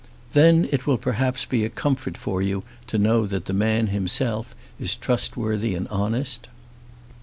"Then it will perhaps be a comfort for you to know that the man himself is trustworthy and honest."